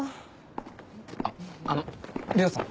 あっあの玲緒さん。